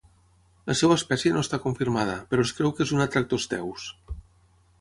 La seva espècie no està confirmada, però es creu que és un Atractosteus.